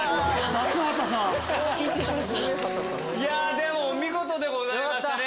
でもお見事でございましたね。